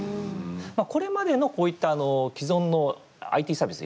これまでのこういった既存のＩＴサービス